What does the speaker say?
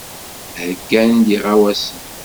Heyyan-d iɣawasen.